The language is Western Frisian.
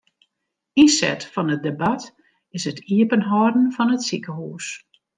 Ynset fan it debat is it iepenhâlden fan it sikehûs.